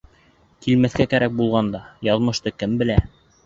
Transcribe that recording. Килмәҫкә кәрәк булған да, яҙмышты кем белә.